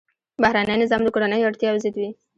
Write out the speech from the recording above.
بهرنی نظام د کورنیو اړتیاوو ضد وي.